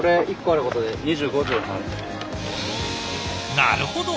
なるほど。